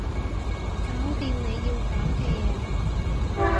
搞掂你要搞嘅嘢